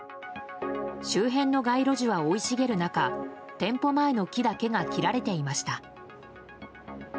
周辺の街路樹は生い茂る中店舗前の木だけが切られていました。